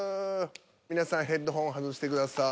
皆さんヘッドホンを外してください。